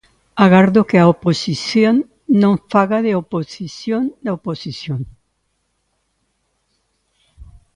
Agardo que a oposición non faga de oposición da oposición.